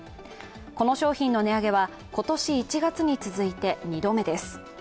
この商品の値上げは、今年１月に続いて２度目です。